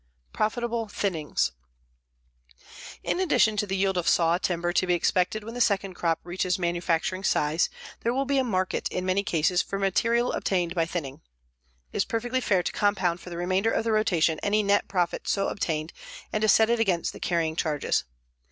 PROFITABLE THINNINGS In addition to the yield of saw timber to be expected when the second crop reaches manufacturing size, there will be a market in many cases for material obtained by thinning. It is perfectly fair to compound for the remainder of the rotation any net profit so obtained and to set it against the carrying charges.